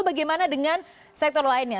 bagaimana dengan sektor lainnya